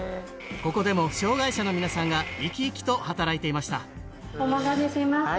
ここでも障害者の皆さんがいきいきと働いていましたお待たせしました